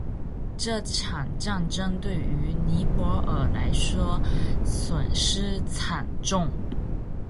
这场战争对于尼泊尔来说损失惨重。